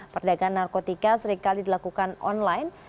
perdagangan narkotika seringkali dilakukan online